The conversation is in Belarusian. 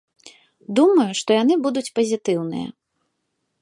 Думаю, што яны будуць пазітыўныя.